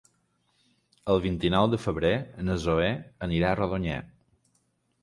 El vint-i-nou de febrer na Zoè anirà a Rodonyà.